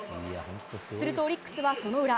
するとオリックスは、その裏。